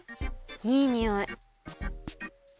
いいにおい。